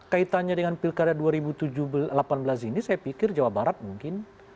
kaitannya dengan pilkada dua ribu delapan belas ini saya pikir jawa barat mungkin